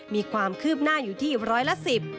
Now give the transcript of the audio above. มีความคืบหน้าอยู่ที่ร้อยละสิบ